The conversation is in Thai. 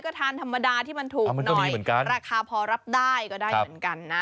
ก็ทานธรรมดาที่มันถูกหน่อยราคาพอรับได้ก็ได้เหมือนกันนะ